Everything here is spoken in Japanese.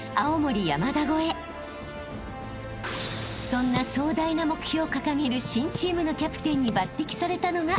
［そんな壮大な目標を掲げる新チームのキャプテンに抜てきされたのが陽楽君］